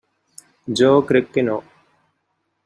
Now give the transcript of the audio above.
Jo crec que no.